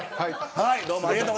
はい。